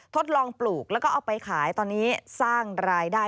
ทดลองปลูกแล้วก็เอาไปขายตอนนี้สร้างรายได้